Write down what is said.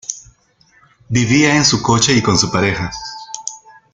Vivía en su coche y con su pareja.